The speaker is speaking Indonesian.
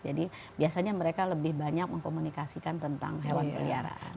jadi biasanya mereka lebih banyak mengkomunikasikan tentang hewan peliharaan